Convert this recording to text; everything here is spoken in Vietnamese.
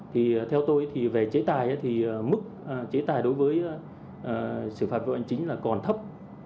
thì theo tôi thì về chế tài thì mức chế tài đối với xử phạt vô hành chính là còn thấp